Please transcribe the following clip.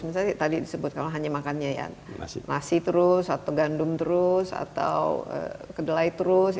misalnya tadi disebut kalau hanya makannya ya nasi terus atau gandum terus atau kedelai terus